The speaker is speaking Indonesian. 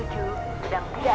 yang sudah tidak aktif harus